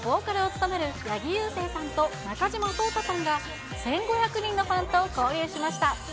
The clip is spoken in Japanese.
そのボーカルを務める八木ゆうせいさんと中島颯太さんが、１５００人のファンと交流しました。